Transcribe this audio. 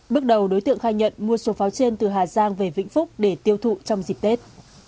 bước đầu đối tượng khai nhận mua số pháo trên từ hà giang về vĩnh phúc để tiêu thụ trong dịp tết